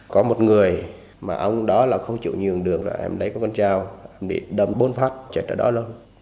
có một người mà ông đó là không chịu nhường đường là em lấy con con dao em đi đâm bốn phát chạy tới đó luôn